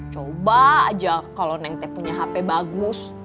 coba aja kalau neng teh punya hp bagus